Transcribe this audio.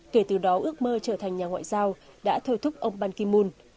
kể từ đó ước mơ trở thành nhà ngoại giao đã thôi thúc ông ban ki moon